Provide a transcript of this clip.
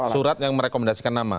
surat yang merekomendasikan nama